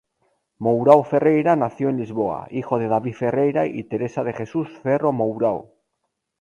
Mourão-Ferreira nació en Lisboa, hijo de David Ferreira y Teresa de Jesus Ferro Mourão.